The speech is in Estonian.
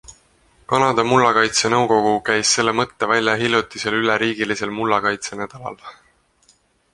Kanada mullakaitse nõukogu käis selle mõtte välja hiljutisel üleriigilisel mullakaitse nädalal.